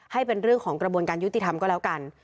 ให้เป็นเรื่องของกระบวนการยุติธรรมก็แล้วกัน